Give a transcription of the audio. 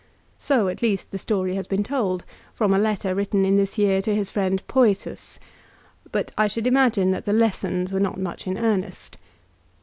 So at least the story has been told, from a letter written in this year to his friend Pcetus ; but I should imagine that the lessons were not much in earnest.